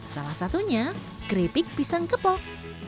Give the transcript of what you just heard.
salah satunya keripik pisang kepok